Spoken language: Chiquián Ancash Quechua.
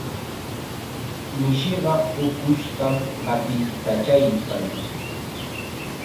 Mishiqa ukushtam qatiykachaykan.